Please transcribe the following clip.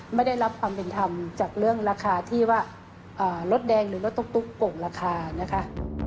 ไม่ได้รับความเป็นธรรมจากเรื่องราคาที่ว่ารถแดงหรือรถตุ๊กโก่งราคานะคะ